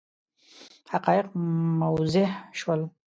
حقایق موضح شول.